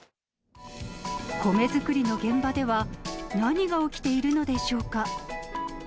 米作りの現場では何が起きているのでしょうか。